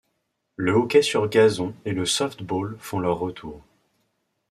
Le hockey sur gazon et le softball font leur retour.